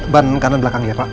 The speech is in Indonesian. ban kanan belakang ya pak